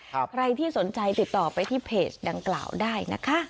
ใครที่สนใจติดต่อไปที่เพจดังกล่าวได้นะคะ